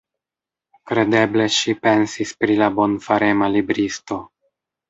Kredeble ŝi pensis pri la bonfarema libristo.